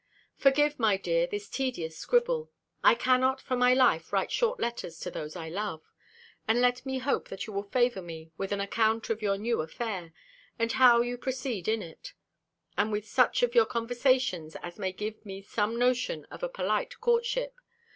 Forgive, my dear, this tedious scribble; I cannot for my life write short letters to those I love. And let me hope that you will favour me with an account of your new affair, and how you proceed in it; and with such of your conversations, as may give me some notion of a polite courtship.